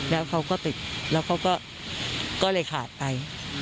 แล้วเขาก็ติดแล้วเขาก็เลยขาดไป